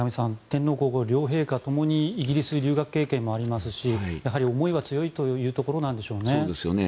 天皇・皇后両陛下ともにイギリスへ留学経験もありますしやはり思いは強いというところなんでしょうね。